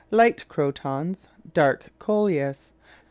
light Crotons. Dark Coleus.